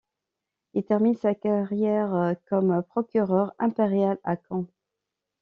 Il termine sa carrière comme procureur impérial à Caen.